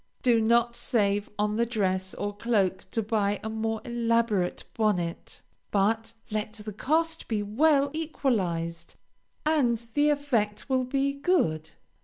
Do not save on the dress or cloak to buy a more elaborate bonnet, but let the cost be well equalized and the effect will be good.